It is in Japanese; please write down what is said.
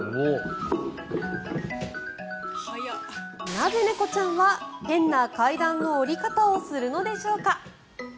なぜ猫ちゃんは変な階段の下り方をするのでしょうか。